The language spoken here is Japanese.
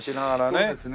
そうですね。